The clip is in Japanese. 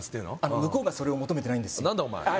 向こうがそれを求めてないんです何だお前あっ